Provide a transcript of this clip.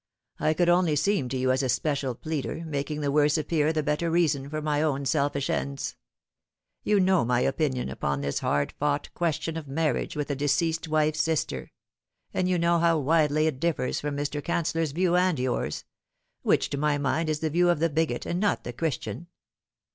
I could only seem to you as a special pleader, making the worse appear the better reason, for my own selfish ends. You know my opinion upon this hard fought question of marriage with a deceased wife's sister ; and you know how widely it differs from Mr. Canceller's view and yours which, to my mind, is the view of the bigot, and not the Christian.